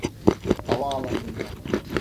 Havaalanında.